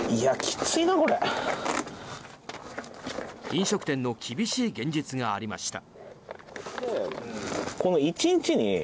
飲食店の厳しい現実がありました。